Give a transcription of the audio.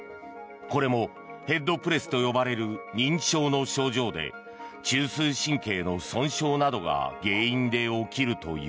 これもヘッドプレスと呼ばれる認知症の症状で中枢神経の損傷などが原因で起きるという。